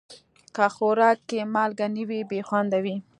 که خوراک کې مالګه نه وي، بې خوند وي.